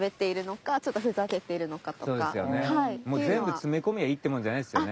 全部詰め込めばいいってもんじゃないですよね。